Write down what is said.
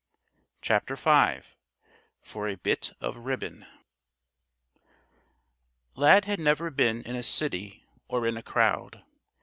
CHAPTER V FOR A BIT OF RIBBON Lad had never been in a city or in a crowd.